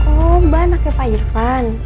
oh mbak makanya pak irvan